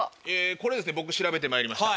これ僕調べてまいりました。